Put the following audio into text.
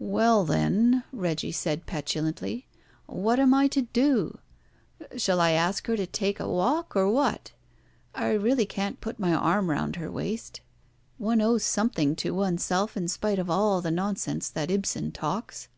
"Well, then," Reggie said petulantly, "what am I to do? Shall I ask her to take a walk, or what? I really can't put my arm round her waist. One owes something to oneself in spite of all the nonsense that Ibsen talks."